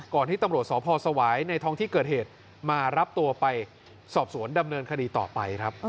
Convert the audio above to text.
ที่ตำรวจสพสวายในท้องที่เกิดเหตุมารับตัวไปสอบสวนดำเนินคดีต่อไปครับ